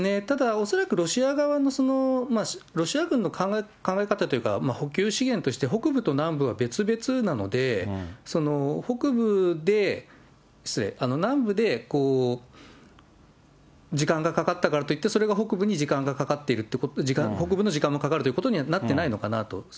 ただ、恐らくロシア側も、ロシア軍の考え方というか、補給資源として、北部と南部は別々なので、北部で、失礼、南部で時間がかかったからといって、それが北部の時間がかかるということにはなってないのかなと。